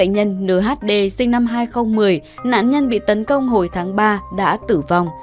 nhd sinh năm hai nghìn một mươi nạn nhân bị tấn công hồi tháng ba đã tử vong